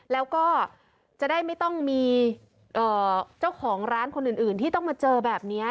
แล้วก็จะได้ไม่ต้องมีเจ้าของร้านคนอื่นที่ต้องมาเจอแบบนี้